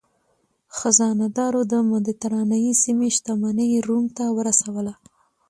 خزانه دارو د مدترانې سیمې شتمني روم ته ورسوله.